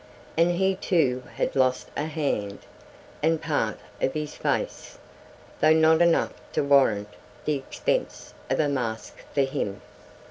And he too had lost a hand, and part of his face, though not enough to warrant the expense of a mask for him.